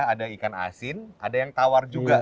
ada ikan asin ada yang tawar juga